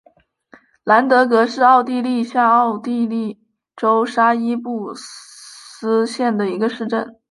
兰德格是奥地利下奥地利州沙伊布斯县的一个市镇。